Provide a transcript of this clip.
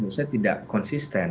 menurut saya tidak konsisten